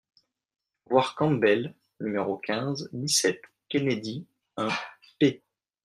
(Voir Campbell, nºˢ quinze, dix-sept ; Kennedy, un, p.